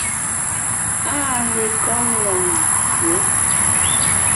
Áa lekɔ́ Loŋtsyě?